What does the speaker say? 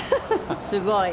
すごい！